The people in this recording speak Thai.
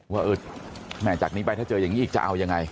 ว่าแหมจากนี้ไปถ้าเจออย่างนี้อีกจะเอายังไง